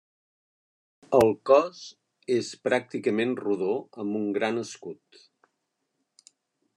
El cos és pràcticament rodó, amb un gran escut.